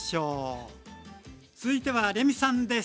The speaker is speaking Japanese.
続いてはレミさんです。